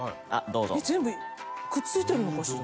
全部くっついてるのかしら？